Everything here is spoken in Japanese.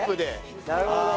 なるほど。